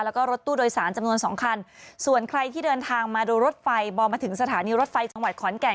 แล้วก็รถตู้โดยสารจำนวนสองคันส่วนใครที่เดินทางมาดูรถไฟบอลมาถึงสถานีรถไฟจังหวัดขอนแก่น